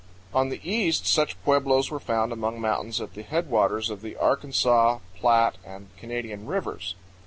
On the east such pueblos were found among mountains at the headwaters of the Arkansas, Platte, and Canadian rivers.